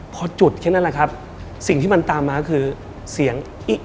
พอจุดแค่นั้นแหละครับสิ่งที่มันตามมาคือเสียง